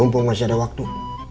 mumpung masih ada waktu